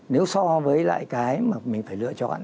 nếu so với lại cái mà mình phải lựa chọn